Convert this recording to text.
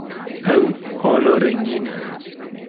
Ew ala rengîn e.